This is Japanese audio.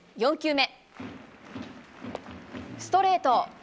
４球目、ストレート。